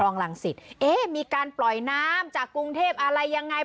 รังสิตเอ๊ะมีการปล่อยน้ำจากกรุงเทพอะไรยังไง